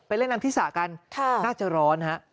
เล่นน้ำที่สระกันน่าจะร้อนฮะ